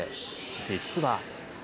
実は。